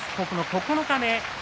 九日目。